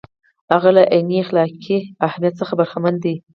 هغه له عیني اخلاقي اهمیت څخه برخمن دی.